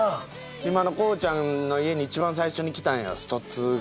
島のコウちゃんの家に一番最初に来たんや『ストⅡ』が。